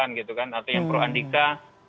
mungkin itu ada yang pro anika